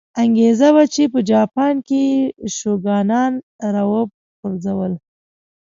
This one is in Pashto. انګېزه وه چې په جاپان کې یې شوګانان را وپرځول.